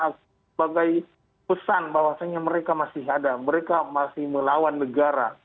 sebagai pesan bahwasannya mereka masih ada mereka masih melawan negara